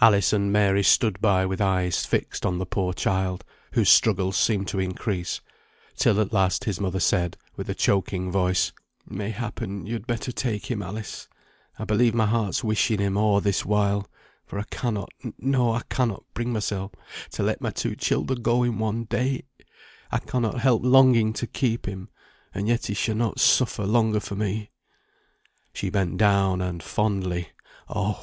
Alice and Mary stood by with eyes fixed on the poor child, whose struggles seemed to increase, till at last his mother said with a choking voice, "May happen yo'd better take him, Alice; I believe my heart's wishing him a' this while, for I cannot, no, I cannot bring mysel to let my two childer go in one day; I cannot help longing to keep him, and yet he sha'not suffer longer for me." [Footnote 21: "May happen," perhaps.] She bent down, and fondly, oh!